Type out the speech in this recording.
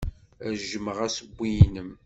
Ad jjmeɣ assewwi-nnem.